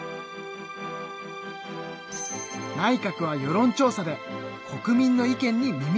内閣は世論調査で国民の意見に耳をかたむける。